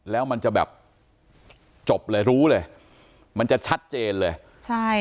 แล้วมันจะแบบจบเลยรู้เลยมันจะชัดเจนเลยใช่